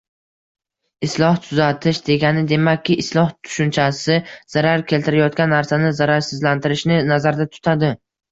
«Isloh» tuzatish degani, demakki «isloh» tushunchasi zarar keltirayotgan narsani zararsizlantirishni nazarda tutadi.